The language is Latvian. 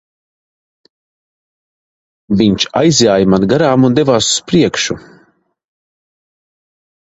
Viņš aizjāja man garām un devās uz priekšu.